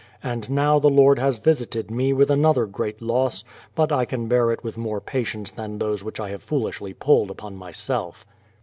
And now the Lord has visited me with another great loss, but I can bear it with more patience than those which I have fooUshly pulled upon myself.